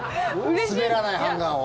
滑らないハンガーを。